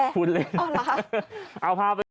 พูดเล่น